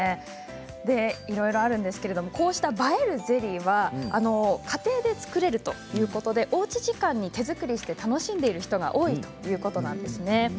いろいろあるんですけれどもこうした映えるゼリーは家庭で作れるということで、おうち時間に手作りして、楽しんでいる人が多いということなんですね。